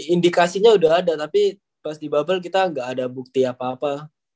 indikasinya sudah ada tapi pas di bubble kita nggak ada bukti apa apa